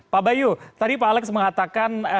pak bayu tadi pak alex mengatakan